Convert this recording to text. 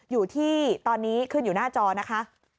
อยู่ที่ตอนนี้ขึ้นอยู่หน้าจอนะคะ